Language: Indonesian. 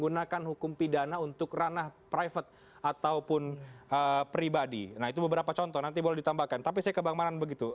nah itu beberapa contoh nanti boleh ditambahkan tapi saya ke bang maran begitu